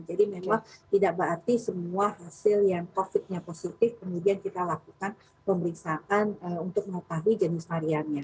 jadi memang tidak berarti semua hasil yang covid nya positif kemudian kita lakukan pemeriksaan untuk mengetahui jenis variannya